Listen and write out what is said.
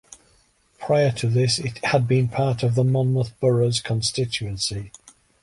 Prior to this it had been part of the Monmouth Boroughs constituency.